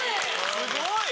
すごい！